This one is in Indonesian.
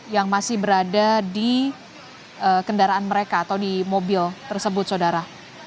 yang masih berada di kendaraan mereka atau di mobil tersebut saudara